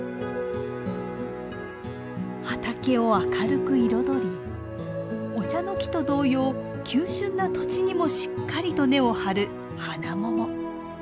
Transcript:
畑を明るく彩りお茶の木と同様急しゅんな土地にもしっかりと根を張るハナモモ。